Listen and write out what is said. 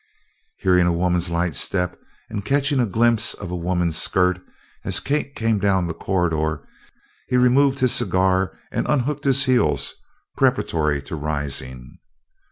Hearing a woman's light step and catching a glimpse of a woman's skirt as Kate came down the corridor, he removed his cigar and unhooked his heels preparatory to rising.